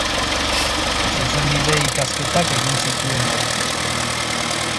Zuzenbide ikasketak egin zituen Londresen.